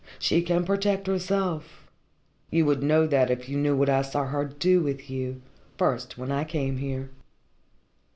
She can protect herself. You would know that if you knew what I saw her do with you, first when I came here."